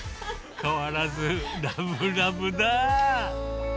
変わらずラブラブだ。